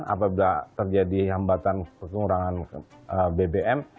apabila terjadi hambatan pengurangan bbm